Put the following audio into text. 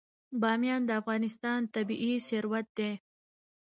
بامیان د افغانستان طبعي ثروت دی.